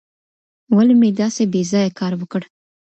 ولي مې داسې بې ځایه کار وکړ؟